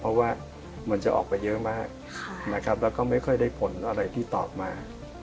เพราะว่ามันจะออกไปเยอะมากนะครับแล้วก็ไม่ค่อยได้ผลอะไรที่ตอบมา